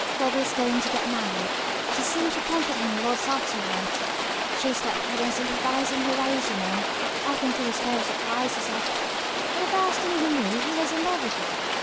Bobby is goin to get married. She seemed to comfort him lots after you went. Shes that pretty and sympathizing in her ways you know. I think he was kind of surprised hisself, but the first thing he knew he was in love with her.